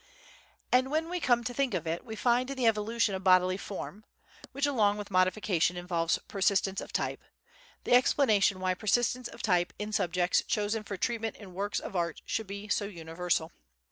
And when we come to think of it, we find in the evolution of bodily form (which along with modification involves persistence of type) the explanation why persistence of type in subjects chosen for treatment in works of art should be so universal.